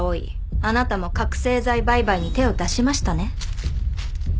あなたも覚醒剤売買に手を出しましたね。